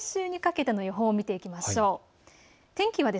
まずは来週にかけての予報を見ていきましょう。